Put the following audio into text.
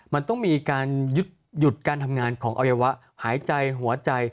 มันต้องมีการหยุดการทำงานของอวัยวะหายใจหัวใจ